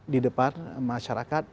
di depan masyarakat